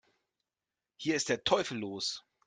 Hier ist der Teufel los!